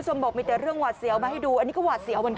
ทีนี้ทีละตั๊งครับทีละตั๊งทีละตั๊งทีละตั๊งทีละตั๊ง